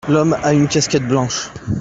l'homme a une casquette blanche.